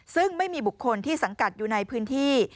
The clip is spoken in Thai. ซึ่งไม่มีบุคคลที่สังกัดอยู่ในพื้นที่